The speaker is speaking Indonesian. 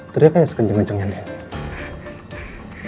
teriak kayak sekenceng kencengnya andin